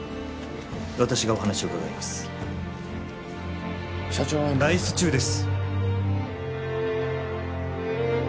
私がお話を伺います社長は今外出中です